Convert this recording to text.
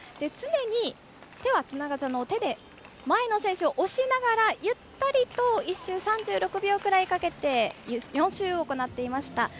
常に、手はつながず手で前の選手を押しながらゆったりと１周３６秒くらいかけて４周行っていました。